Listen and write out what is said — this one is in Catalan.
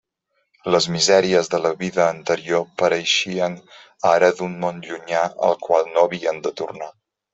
Les misèries de la vida anterior pareixien ara d'un món llunyà al qual no havien de tornar.